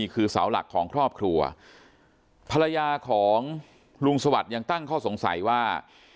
คือเสาหลักของครอบครัวภรรยาของลุงสวัสดิ์ยังตั้งข้อสงสัยว่า